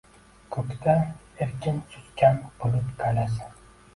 Koʻkda erkin suzgan bulut galasi